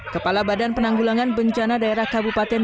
kepala badan penanggulangan bencana daerah kabupaten